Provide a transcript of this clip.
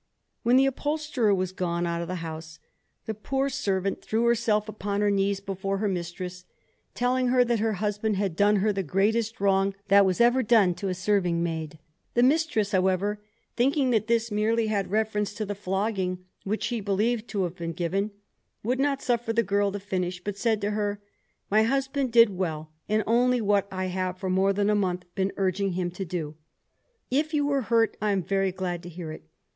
When the upholsterer was gone out of the house, the poor servant threw herself upon her knees before her mistress, telling her that her husband had done her the greatest wrong that was ever done to a serving maid. The mistress, however, thinking that this merely had reference to the flogging which she believed to have been given, would not suffer the girl to finish, but said to her "My husband did well, and only what I have for more than a month been urging him to do. If you were hurt I am very glad to hear it.